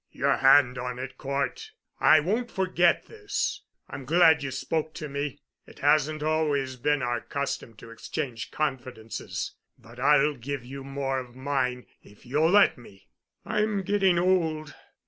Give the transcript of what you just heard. "Your hand on it, Cort. I won't forget this. I'm glad you spoke to me. It hasn't always been our custom to exchange confidences, but I'll give you more of mine if you'll let me. I'm getting old.